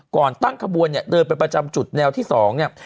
ตั้งขบวนเนี่ยเดินไปประจำจุดแนวที่๒เนี่ย